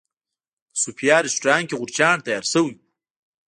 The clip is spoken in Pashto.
په صوفیا رسټورانټ کې غورچاڼ تیار شوی و.